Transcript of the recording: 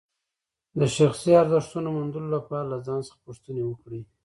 د شخصي ارزښتونو موندلو لپاره له ځان څخه پوښتنې وکړئ.